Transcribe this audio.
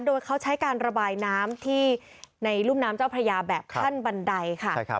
โดยเขาใช้การระบายน้ำที่ในรุ่มน้ำเจ้าพระยาแบบขั้นบันไดค่ะ